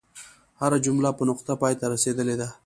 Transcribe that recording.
هره جمله په نقطه پای ته رسیدلې ده.